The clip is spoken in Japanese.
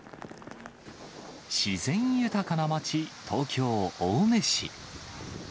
自然豊かな町、東京・青梅市。